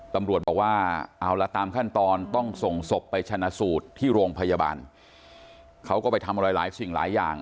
ตำรวจบอกว่าเอาละตามขั้นตอนต้องส่งศพไปชนะสูตรที่โรงพยาบาลเขาก็ไปทำอะไรหลายสิ่งหลายอย่าง